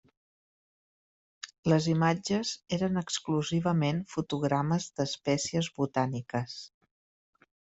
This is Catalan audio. Les imatges eren exclusivament fotogrames d'espècies botàniques.